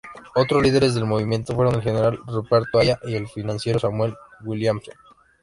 Otros líderes del movimiento fueron el general Ruperto Aya, y el financiero Samuel Williamson.